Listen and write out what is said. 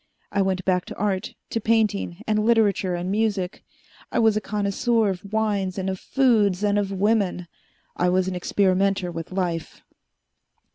I went back to art, to painting and literature and music. I was a connoisseur of wines and of foods and of women. I was an experimenter with life.